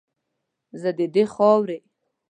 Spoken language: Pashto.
زه ددې خاورې